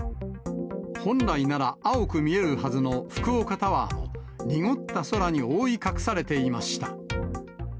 本来なら、青く見えるはずの福岡タワーは、濁った空に覆い隠されていました。